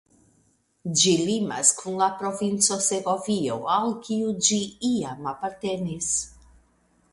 Ĝi limas kun la provinco Segovio al kiu ĝi iam apartenis.